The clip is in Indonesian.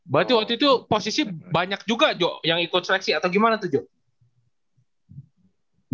berarti waktu itu posisi banyak juga jo yang ikut seleksi atau gimana tuh jok